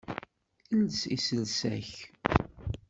Els iselsa-k!